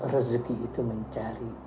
rezeki itu mencari